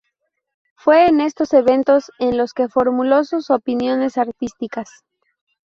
Fue en estos eventos en los que formuló sus opiniones artísticas.